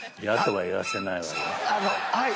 はい！